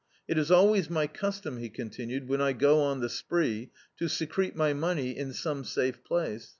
It is always my custom," he continued, "when I go on the spree, to secrete my money in some safe place.